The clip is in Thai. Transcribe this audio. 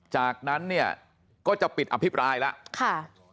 จากนั้นเนี่ยก็จะปิดอภิปรายแล้ว